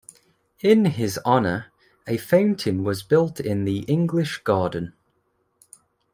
In his honor, a fountain was built in the English Garden.